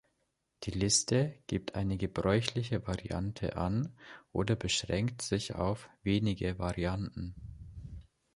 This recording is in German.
Die Liste gibt eine gebräuchliche Variante an oder beschränkt sich auf wenige Varianten.